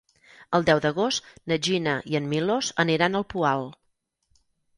El deu d'agost na Gina i en Milos aniran al Poal.